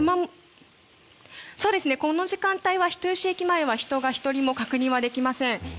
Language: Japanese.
この時間帯は人吉駅前は人が１人も確認できません。